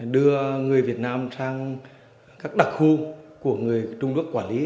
đưa người việt nam sang các đặc khu của người trung quốc quản lý